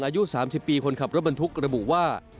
อายุ๓๐ปีคนขับรถบรรทุกระบุว่า